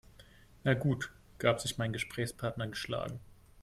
Na gut, gab sich mein Gesprächspartner geschlagen.